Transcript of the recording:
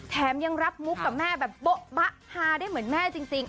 แถมยังรับมุกกับแม่แบบโบ๊ะบะฮาได้เหมือนแม่จริง